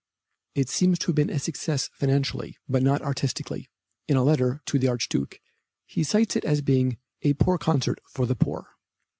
It seems to have been a success financially, but not artistically. In a letter to the Archduke he cites it as being "a poor concert for the poor."